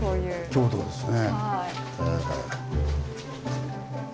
京都ですね。